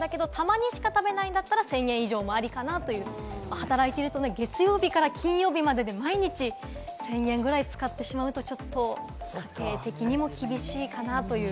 働いていると月曜日から金曜日までで、毎日１０００円ぐらい使ってしまうと、ちょっと家計的にも厳しいかなという。